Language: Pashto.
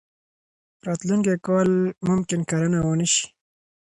راتلونکی کال ممکن کرنه ونه شي.